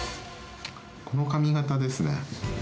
この髪形ですね。